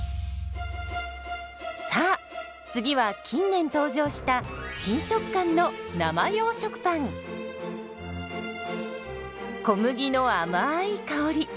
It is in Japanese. さあ次は近年登場した新食感の小麦のあまい香り。